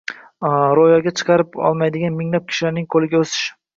ro‘yobga chiqara olmayotgan minglab kishilarning qo‘liga o‘sish